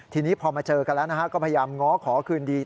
ทีนี้พอมาเจอกันแล้วก็พยายามง้อขอคืนดี